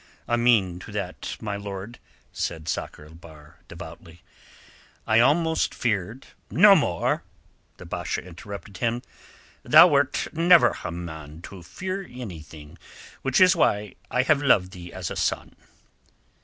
"Ameen to that, my lord," said Sakr el Bahr devoutly. "I almost feared...." "No more!" the Basha interrupted him. "Thou wert never a man to fear anything, which is why I have loved thee as a son."